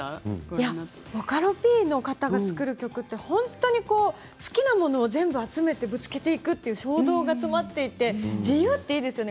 ボカロＰの方が作る曲って好きなものを全部集めてぶつけていくという衝動が集まっていて自由っていいですよね。